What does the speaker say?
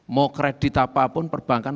mau kredit apapun perbankan